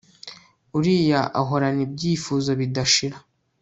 uriya ahorana ibyifuzo bidashira